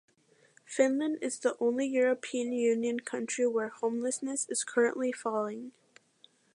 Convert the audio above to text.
Finland is the only European Union country where homelessness is currently falling.